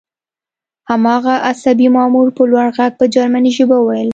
هماغه عصبي مامور په لوړ غږ په جرمني ژبه وویل